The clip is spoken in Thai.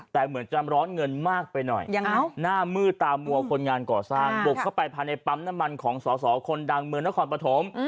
แต่เหมือนจะร้อนเงินมากไปหน่อยหน้ามืดตามัวคนงานก่อสร้างบุกเข้าไปภายในปั๊มน้ำมันของสอสอคนดังเมืองนครปฐม